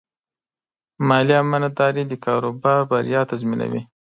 مالي امانتداري د کاروبار بریا تضمینوي.